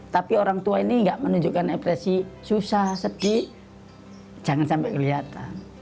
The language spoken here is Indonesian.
tapi orang tua ini tidak menunjukkan ekspresi susah sedih jangan sampai kelihatan